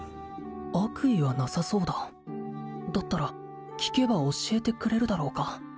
悪意はなさそうだだったら聞けば教えてくれるだろうか